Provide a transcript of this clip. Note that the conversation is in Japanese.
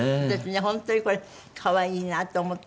本当にこれ可愛いなと思ってね